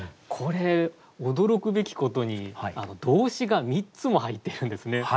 これ驚くべきことに動詞が３つも入ってるんですね。